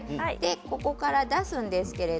ここから出すんですけれど。